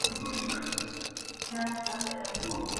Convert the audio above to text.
Kuna michezo ambayo huhusisha mwili kama vile mbio